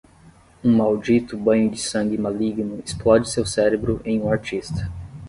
Um maldito banho de sangue maligno explode seu cérebro em um artista.